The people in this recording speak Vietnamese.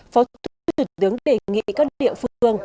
phó thủ tướng đề nghị các địa phương